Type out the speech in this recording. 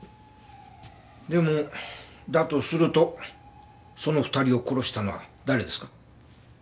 でもだとするとその２人を殺したのは誰ですか？